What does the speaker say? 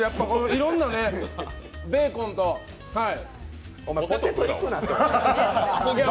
いろんなね、ベーコンとお前、ポテトいくなって。